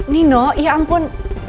nino ya ampun